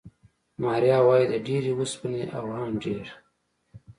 ماریا وايي، د ډېرې اوسپنې او ان ډېر